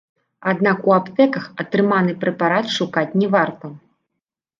Аднак у аптэках атрыманы прэпарат шукаць не варта.